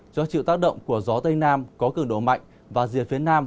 do chịu tác động của gió tây nam có cường độ mạnh và rìa phía nam